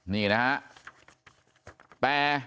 นี่นะฮะแต่